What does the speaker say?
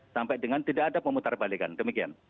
sampai dengan tidak ada pemutarbalikan demikian